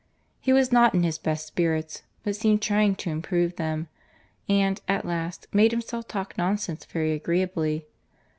He was not in his best spirits, but seemed trying to improve them; and, at last, made himself talk nonsense very agreeably.